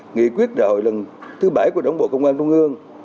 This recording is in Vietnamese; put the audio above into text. nghị quyết đảo lần thứ bảy của đảng bộ công an trung ương